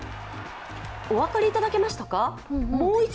お分かりいただけましたか？